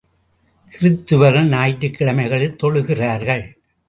கிறித்துவர்கள் ஞாயிற்றுக் கிழமைகளில் தொழுகிறார்கள்.